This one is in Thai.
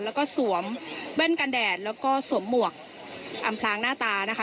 แล้วก็สวมแว่นกันแดดแล้วก็สวมหมวกอำพลางหน้าตานะคะ